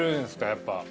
やっぱ。